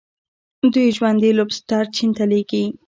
دوی ژوندي لوبسټر چین ته لیږي.